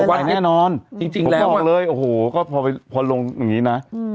ไปแน่นอนผมก็บอกเลยโอ้โหก็พอลงอย่างนี้นะ